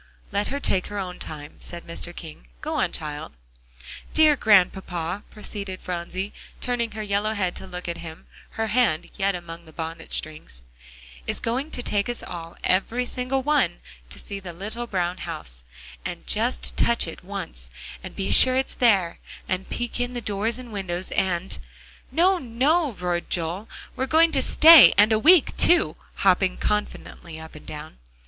"Let her take her own time," said Mr. King, "go on, child." "Dear Grandpapa," proceeded Phronsie, turning her yellow head to look at him, her hand yet among the bonnet strings, "is going to take us all, every single one, to see the little brown house, and just touch it once, and be sure it's there, and peek in the doors and windows and" "No, no," roared Joel, "we're going to stay, and a week too," hopping confidently up and down.